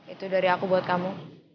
itu dari aku buat kamu